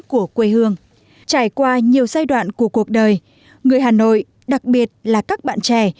của quê hương trải qua nhiều giai đoạn của cuộc đời người hà nội đặc biệt là các bạn trẻ